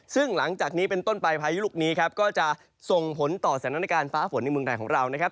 ซึ่งหลังจากนี้เป็นต้นไปพายุลูกนี้ครับก็จะส่งผลต่อสถานการณ์ฟ้าฝนในเมืองไทยของเรานะครับ